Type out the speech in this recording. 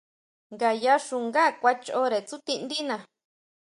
Ngayá xungá kuan choʼre tsútindina.